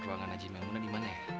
ruangan najimengguna di mana ya